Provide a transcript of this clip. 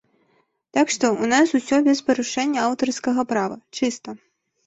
Так што, у нас усё без парушэння аўтарскага права, чыста!